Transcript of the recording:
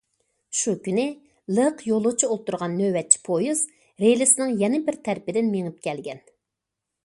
شۇ كۈنى، لىق يولۇچى ئولتۇرغان نۆۋەتچى پويىز رېلىسنىڭ يەنە بىر تەرىپىدىن مېڭىپ كەلگەن.